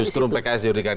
justru pks dirubikan